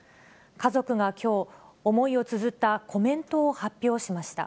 家族がきょう、思いをつづったコメントを発表しました。